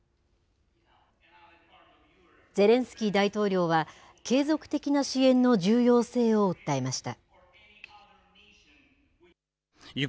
ゼレンスキー大統領は、継続的な支援の重要性を訴えました。